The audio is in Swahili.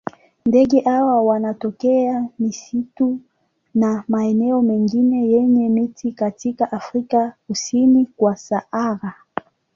Ndege hawa wanatokea misitu na maeneo mengine yenye miti katika Afrika kusini kwa Sahara.